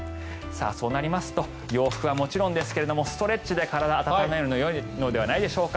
そうなりますと洋服はもちろんですがストレッチで体を温めるのはよいのではないでしょうか。